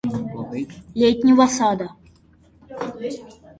Летнего Сада.